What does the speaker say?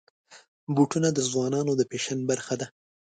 بوټونه د ځوانانو د فیشن برخه ده.